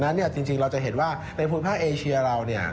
ดังนั้นจริงเราจะเห็นว่าในภูมิภาคเอเชียเรา